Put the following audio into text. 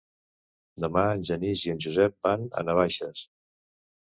Demà en Genís i en Josep van a Navaixes.